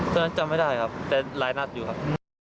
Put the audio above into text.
จำไม่ได้ครับแต่หลายนัดอยู่ครับ